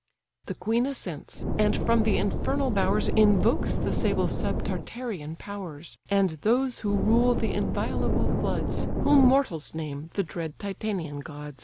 The queen assents, and from the infernal bowers Invokes the sable subtartarean powers, And those who rule the inviolable floods, Whom mortals name the dread Titanian gods.